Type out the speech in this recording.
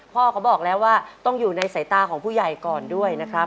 เขาบอกแล้วว่าต้องอยู่ในสายตาของผู้ใหญ่ก่อนด้วยนะครับ